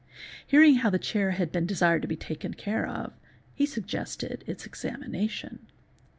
Hearing how the chair had been desired to be taken care of, he Mii its examination.